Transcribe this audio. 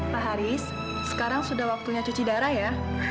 pak haris sekarang sudah waktunya cuci darah ya